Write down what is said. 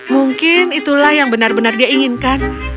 mungkin itulah yang benar benar dia inginkan